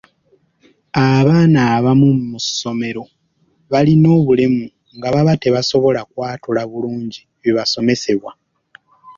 Abaana abamu mu ssomero balina obulemu nga baba tebasobola kwatula bulungi bibasomesebwa.